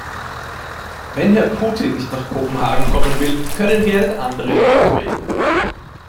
Wenn Herr Putin nicht nach Kopenhagen kommen will, können wir einen anderen Ort wählen.